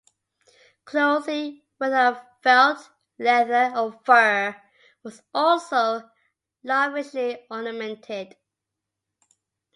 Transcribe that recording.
Clothing, whether of felt, leather, or fur, was also lavishly ornamented.